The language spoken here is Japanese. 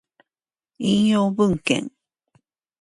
引用文献